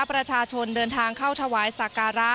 ประชาชนเดินทางเข้าถวายสักการะ